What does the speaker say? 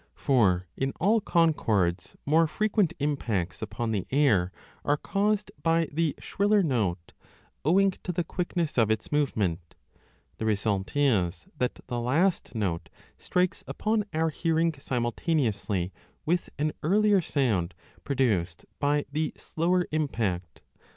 For in all concords more frequent impacts upon the air are caused by the shriller note, owing to the quickness of its movement ; the result is that the last note strikes upon our hearing simultaneously with an earlier sound produced by the 5 slower impact.